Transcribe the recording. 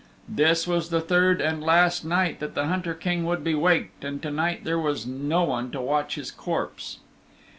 This was the third and last night that the Hunter King would be waked, and to night there was no one to watch his corpse.